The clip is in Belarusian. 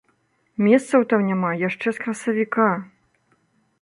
Месцаў там няма яшчэ з красавіка.